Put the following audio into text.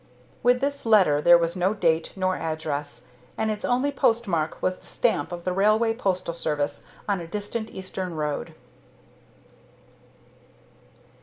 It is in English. With this letter there was no date nor address, and its only post mark was the stamp of the railway postal service on a distant Eastern road.